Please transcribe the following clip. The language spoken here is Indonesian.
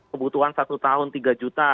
kebutuhan satu tahun tiga juta